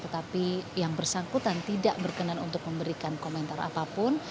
tetapi yang bersangkutan tidak berkenan untuk memberikan komentar apapun